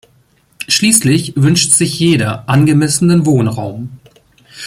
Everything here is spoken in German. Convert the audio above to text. Schließlich wünscht sich jeder angemessenen Wohnraum.